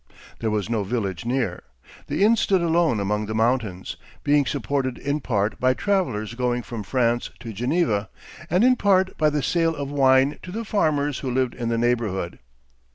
There was no village near. The inn stood alone among the mountains, being supported in part by travelers going from France to Geneva, and in part by the sale of wine to the farmers who lived in the neighborhood.